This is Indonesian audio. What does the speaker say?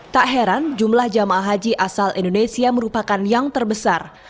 tak heran jumlah jamaah haji asal indonesia merupakan yang terbesar